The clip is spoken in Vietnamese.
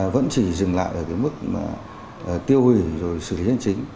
vẫn chỉ dừng lại ở cái mức mà tiêu hủy rồi xử lý hành chính